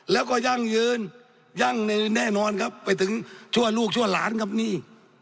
แล้วก็ยั่งยืนยั่งแน่นอนครับไปถึงชั่วลูกชั่วหลานครับนี่